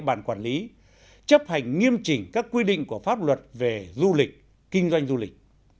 địa bàn quản lý chấp hành nghiêm chỉnh các quy định của pháp luật về du lịch kinh doanh du lịch